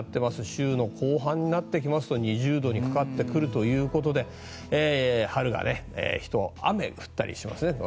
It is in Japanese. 週の後半になってきますと２０度にかかってくるということで春がひと雨降ったりしますね。